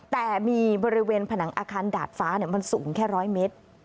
แต่มีบริเวณผนังอาคารดาดฟ้ามันสูงแค่๑๐๐เมตร